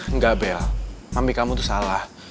enggak bel mami kamu itu salah